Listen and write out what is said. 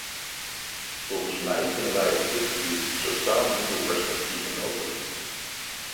Volgens mij kunnen wij op dit gebied totaal nieuwe perspectieven openen.